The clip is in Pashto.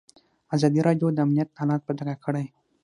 ازادي راډیو د امنیت حالت په ډاګه کړی.